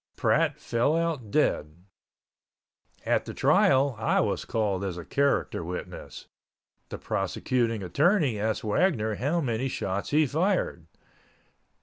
Pratt fell out dead. At the trial I was called as a character witness. The prosecuting attorney asked Wagner how many shots he fired.